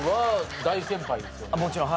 もちろん。